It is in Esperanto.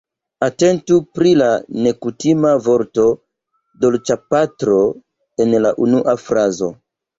Atentu pri la nekutima vorto dolĉapatro en la unua frazo.